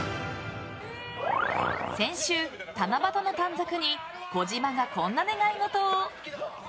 先週、七夕の短冊に児嶋が、こんな願い事を。